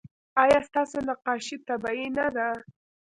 ایا ستاسو نقاشي طبیعي نه ده؟